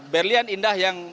berlian indah yang